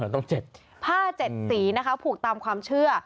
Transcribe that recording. ต้อง๗ผ้า๗สีนะคะผูกตามความเชื่อ